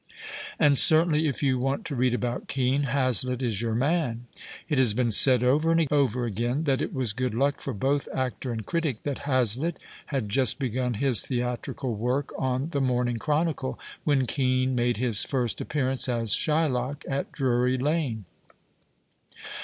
And certainly iC you want to read about Kean, Ilazlitt is your man. It has been said, over and over again, that it was good luck for both actor and critic that Hazlitt had just begun his theatrical work on the Morning Chroniclt when Kean made his first appearance as Shyloek at Drury Lane.